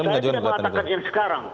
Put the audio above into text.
saya tidak mengatakan yang sekarang